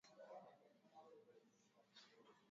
kutoka Kilwa Masoko ambayo ni makao makuu ya wilaya hiyo